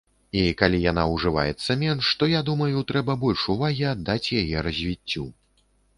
І калі яна ўжываецца менш, то, я думаю, трэба больш увагі аддаць яе развіццю.